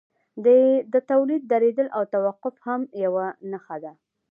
د تولید درېدل او توقف هم یوه نښه ده